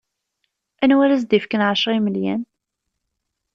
Anwa ara as-d-ifken ɛecra n yimelyan?